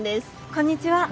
こんにちは。